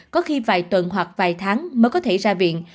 có khi vài tuần hoặc vài tháng mới có thể ra viện